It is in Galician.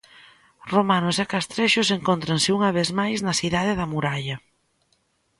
Romanos e castrexos encóntranse unha vez máis na cidade da muralla.